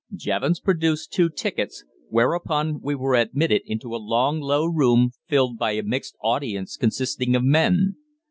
Jevons produced two tickets, whereupon we were admitted into a long, low room filled by a mixed audience consisting of men.